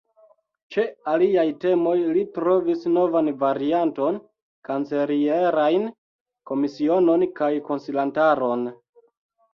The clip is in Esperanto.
Ĉe aliaj temoj li trovis novan varianton: kancelierajn komisionon kaj konsilantaron.